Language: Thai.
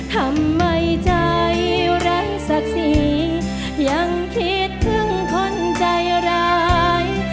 ทำไมใจรักสิ่งยังคิดถึงคนใจร้าย